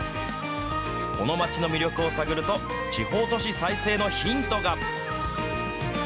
この町の魅力を探ると、地方都市再生のヒントが。